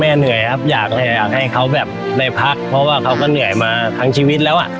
เหนื่อยครับอยากให้เขาแบบได้พักเพราะว่าเขาก็เหนื่อยมาทั้งชีวิตแล้วอ่ะ